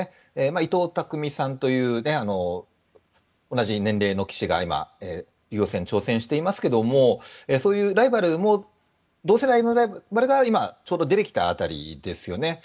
伊藤匠さんという同じ年齢の棋士が今、竜王戦に挑戦していますがそういうライバルも同世代のライバルが今ちょうど出てきた辺りですよね。